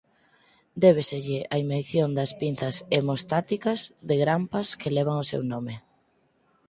Débeselle a invención das pinzas hemostáticas de grampas que levan o seu nome.